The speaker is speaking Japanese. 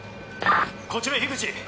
こちら口。